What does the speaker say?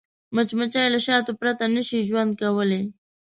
مچمچۍ له شاتو پرته نه شي ژوند کولی